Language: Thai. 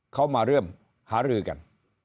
เขามาเริ่มหารือกัน